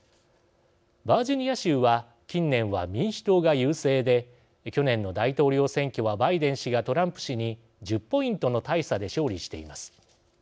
バージニア州は近年は民主党が優勢で去年の大統領選挙はバイデン氏がトランプ氏に１０ポイントの大差で勝利しています。